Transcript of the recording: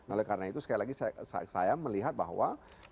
oleh karena itu sekali lagi saya melihat bahwa